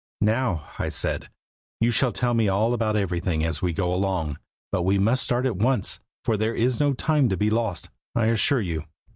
"Now," I said, "you shall tell me all about everything as we go along; but we must start at once, for there is no time to be lost, I assure you!"